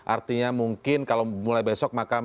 artinya mungkin kalau mulai besok maka